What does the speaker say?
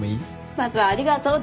まずはありがとうでしょ。